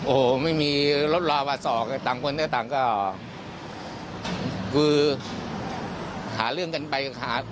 โอ้โหไม่มีรถรอมาสอกต่างคนก็ต่างก็คือหาเรื่องกันไปหา